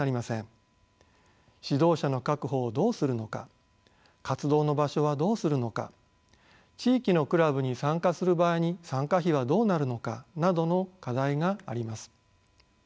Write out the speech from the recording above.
指導者の確保をどうするのか活動の場所はどうするのか地域のクラブに参加する場合に参加費はどうなるのかなどの課題があります。